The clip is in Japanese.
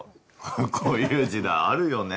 こういう時代あるよね